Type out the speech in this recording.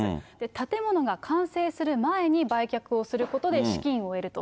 建物が完成する前に売却をすることで資金を得ると。